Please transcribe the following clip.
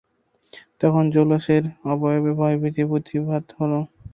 তখন জুলাসের অবয়বে ভয়-ভীতি প্রতিভাত হল।